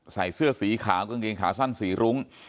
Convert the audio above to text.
ใส่เสื้อสีขาวกางเกงขาสั้นสีรุ้ง